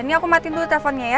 ini aku matiin dulu telponnya ya